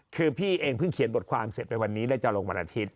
คือพี่เองเพิ่งเขียนบทความเสร็จไปวันนี้ได้จะลงวันอาทิตย